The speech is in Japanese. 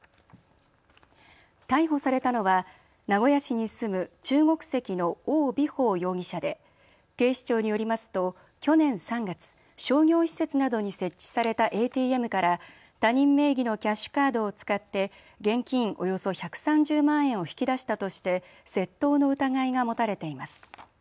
逮捕されたのは名古屋市に住む中国籍の王美芳容疑者で警視庁によりますと去年３月、商業施設などに設置されたＡＴＭから他人名義のキャッシュカードを使って現金およそ１３０万円を引き出したとして窃盗の疑いが持たれています。